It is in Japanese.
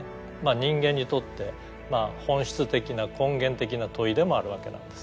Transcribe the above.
人間にとって本質的な根源的な問いでもあるわけなんです。